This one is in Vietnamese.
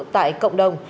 tại cộng đồng